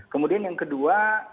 kemudian yang kedua